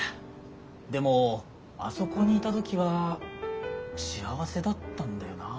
でもあそこにいた時は幸せだったんだよなあ。